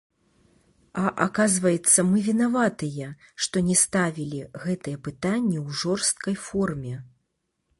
А аказваецца, мы вінаватыя, што не ставілі гэтае пытанне ў жорсткай форме!